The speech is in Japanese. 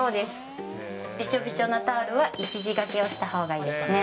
びちょびちょのタオルは一時掛けをしたほうがいいですね。